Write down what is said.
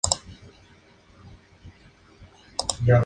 Otros países tienen diferentes patrones de horas de trabajo.